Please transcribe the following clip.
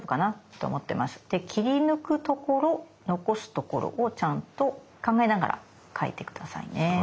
で切り抜くところ残すところをちゃんと考えながら描いて下さいね。